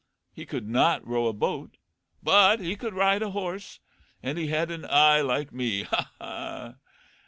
He could not row a boat, but he could ride a horse, and he had an eye like me. Ha, ha!